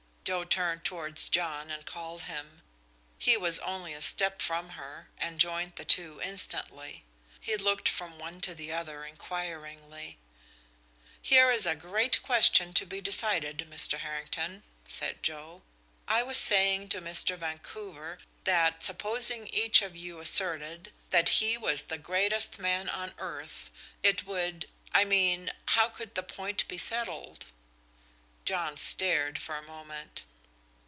Joe turned towards John and called him. He was only a step from her, and joined the two instantly. He looked from one to the other inquiringly. "Here is a great question to be decided, Mr. Harrington," said Joe. "I was saying to Mr. Vancouver that, supposing each of you asserted that he was the greatest man on earth, it would I mean, how could the point be settled?" John stared for a moment.